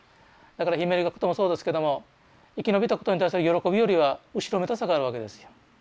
だからひめゆり学徒もそうですけども生き延びたことに対する喜びよりは後ろめたさがあるわけですよ。